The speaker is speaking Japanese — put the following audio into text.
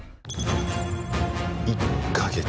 １か月。